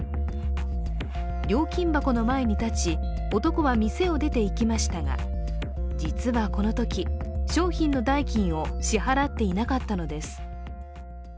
料金箱の前に立ち、男は店を出て行きましたが実はこのとき、商品の代金を支払っていなかったのです。